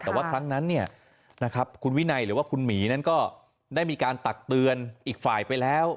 แต่ว่าครั้งนั้นคุณวินัยหรือว่าคุณหมีนั้นก็ได้มีการตักเตือนอีกฝ่ายไปแล้ว